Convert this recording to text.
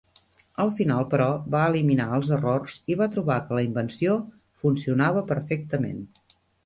Al final, però, va eliminar els errors i va trobar que la invenció funcionava perfectament.